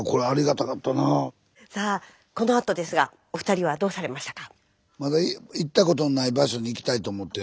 さあこのあとですがお二人はどうされましたか？